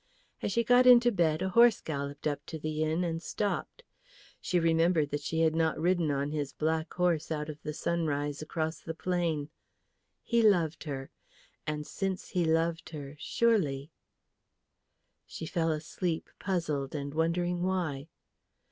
As she got into bed a horse galloped up to the inn and stopped. She remembered that she had not ridden on his black horse out of the sunrise across the plain. He loved her, and since he loved her, surely She fell asleep puzzled and wondering why.